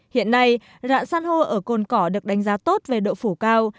hiện nay rạn san hô ở côn cỏ được đánh giá tốt về độ phủ cao